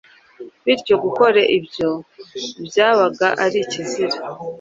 bityo gukora ibyo byabaga ari ikizira.